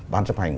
ban chấp hành